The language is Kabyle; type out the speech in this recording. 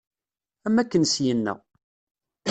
Am akken syinna.